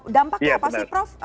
dampaknya apa sih prof